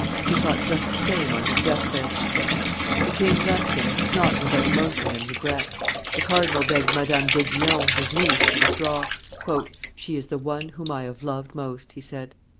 He thought just the same on his death bed. The king left him, not without emotion and regret. The cardinal begged Madame d'Aiguillon, his niece, to withdraw. "She is the one whom I have loved most," he said.